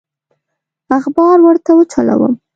اخبار ورته وچلوم.